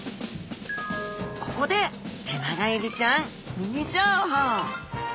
ここでテナガエビちゃんミニ情報。